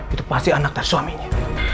itu pasti anak dan suaminya